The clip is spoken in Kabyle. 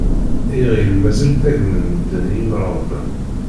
Iɣill mazal ttagmen medden i imrabḍen.